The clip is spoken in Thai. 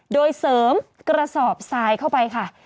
โดยเสริมกระสอบทรายเข้าไปค่ะ